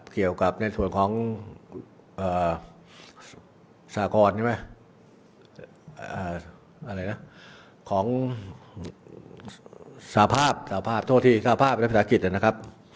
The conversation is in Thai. เกี่ยวกับในส่วนของสาภาพและภาพภิษฐศาสตร์